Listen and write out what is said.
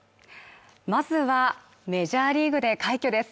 まずは、メジャーリーグで快挙です。